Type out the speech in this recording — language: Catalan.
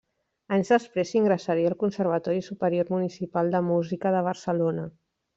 Anys després ingressaria al Conservatori Superior Municipal de Música de Barcelona.